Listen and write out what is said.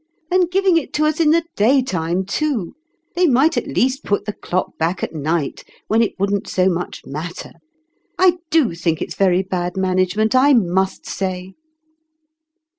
And giving it to us in the day time, too ! They might at least put the clock back at night, when it wouldn't so much mat ter. I do think it's very bad management, I must say